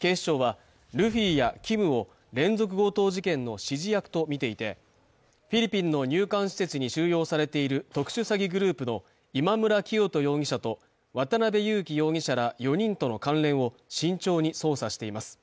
警視庁は、ルフィやキムを連続強盗事件の指示役とみていてフィリピンの入管施設に収容されている特殊詐欺グループの今村磨人容疑者と渡辺優樹容疑者ら４人との関連を慎重に捜査しています。